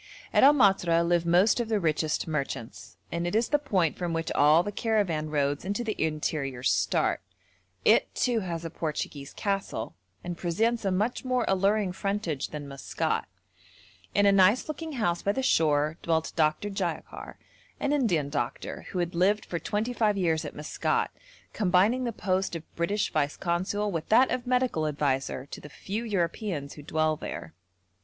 At El Matra live most of the richest merchants, and it is the point from which all the caravan roads into the interior start; it, too, has a Portuguese castle, and presents a much more alluring frontage than Maskat. In a nice looking house by the shore dwelt Dr. Jayakar, an Indian doctor, who had lived for twenty five years at Maskat, combining the post of British Vice Consul with that of medical adviser to the few Europeans who dwell there.